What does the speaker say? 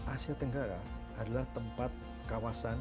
asia tenggara adalah tempat kawasan